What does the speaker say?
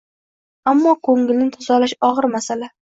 Ammo ko‘ngilni tozalash og‘ir masala.